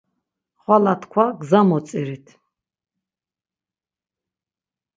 Xvala tkva gza motzirit.